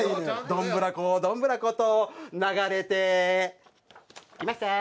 「どんぶらこどんぶらことながれていましたー」。